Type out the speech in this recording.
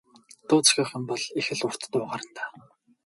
Дуу зохиох юм бол их л урт дуу гарна даа.